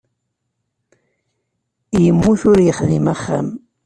Yemmut ur yexdim axxam.